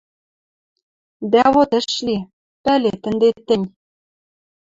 Дӓ вот ӹш ли... Пӓлет ӹнде тӹнь.